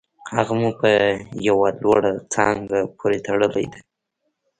هغه مو په یوه لوړه څانګه پورې تړلې ده